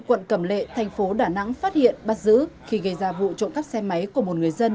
quận cẩm lệ thành phố đà nẵng phát hiện bắt giữ khi gây ra vụ trộm cắp xe máy của một người dân